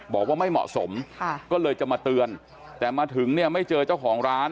บอกว่าไม่เหมาะสมก็เลยจะมาเตือนแต่มาถึงเนี่ยไม่เจอเจ้าของร้าน